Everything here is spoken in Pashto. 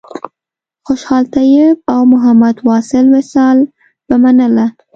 خوشحال طیب او محمد واصل وصال به منله.